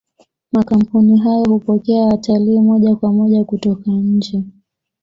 makampuni hayo hupokea watalii moja kwa moja kutoka nje